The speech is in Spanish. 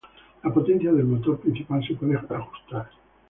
La potencia del motor principal se puede ajustar.